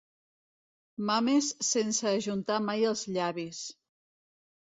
Mames sense ajuntar mai els llavis.